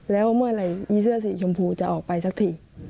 แล้วเมื่อไหร่อีเสื้อสีชมพูจะออกไปสักที